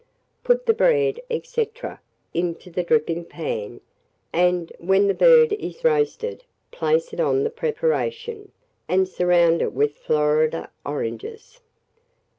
Put the bread, &c., into the dripping pan, and, when the bird is roasted, place it on the preparation, and surround it with Florida oranges.